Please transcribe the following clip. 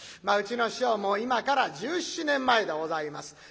まあうちの師匠も今から１７年前でございます。